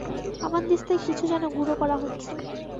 হামানদিস্তায় কিছু যেন গুড়ো করা হচ্ছে।